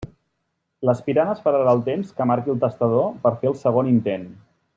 L'aspirant esperarà el temps que marqui el testador per fer el segon intent.